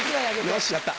よしやった。